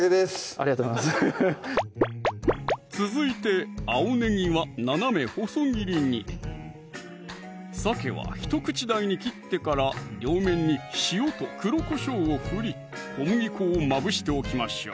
ありがとうございます続いて青ねぎは斜め細切りにさけは一口大に切ってから両面に塩と黒こしょうを振り小麦粉をまぶしておきましょう